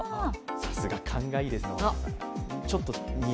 さすが、勘がいいですね。